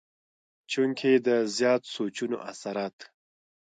چونکه د زيات سوچونو اثرات